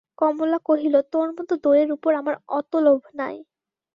কমলা কহিল, তোর মতো দইয়ের উপর আমার অত লোভ নাই।